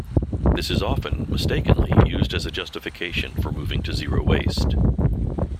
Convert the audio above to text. This is often, mistakenly used as a justification for moving to Zero Waste.